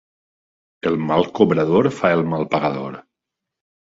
El mal cobrador fa el mal pagador.